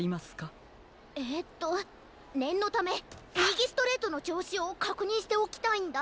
ええとねんのためみぎストレートのちょうしをかくにんしておきたいんだ。